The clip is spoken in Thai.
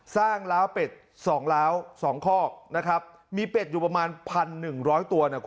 กล้าล้าวเป็ด๒ล้าว๒คอกนะครับมีเป็ดอยู่ประมาณ๑๑๐๐ตัวเนี่ย